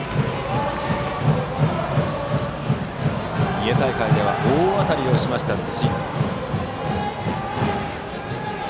三重大会では大当たりしました辻。